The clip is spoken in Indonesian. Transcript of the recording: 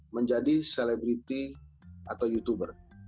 menjadi selebriti atau youtuber